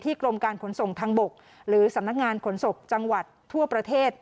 กรมการขนส่งทางบกหรือสำนักงานขนส่งจังหวัดทั่วประเทศ